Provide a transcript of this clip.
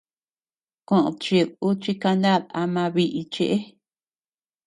Koʼöd chíd ú chi kanad ama bíʼi cheʼe.